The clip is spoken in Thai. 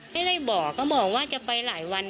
ไม่ได้บอกเขาบอกว่าจะไปหลายวัน